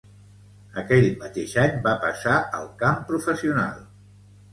Aquell mateix any va passar al camp professional.